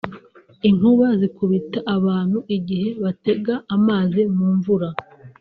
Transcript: Inkuba zikubita abantu igihe batega amazi mu mvura